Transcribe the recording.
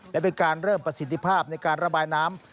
และเป็นการเริ่มประสิทธิภาพในการระบายน้ำ